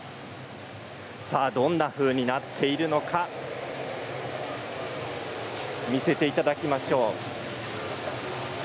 どんなふうになっているのか見せていただきましょう。